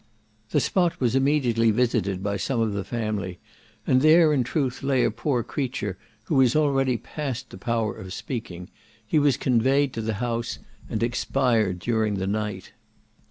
The spot was immediately visited by some of the family, and there in truth lay a poor creature, who was already past the power of speaking; he was conveyed to the house and expired during the night.